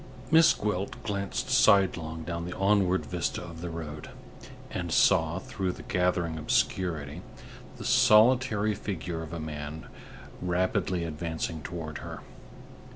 Miss Gwilt glanced sidelong down the onward vista of the road, and saw, through the gathering obscurity, the solitary figure of a man rapidly advancing toward her.